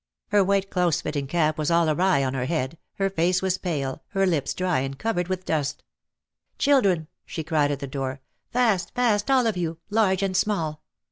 Her white close fitting cap was all awry on her head, her face was pale, her lips dry and covered with dust. "Children !" she cried at the door. "Fast ! fast all of you, large and small.